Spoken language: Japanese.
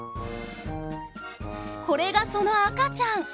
これがその赤ちゃん。